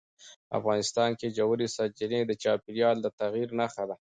افغانستان کې ژورې سرچینې د چاپېریال د تغیر نښه ده.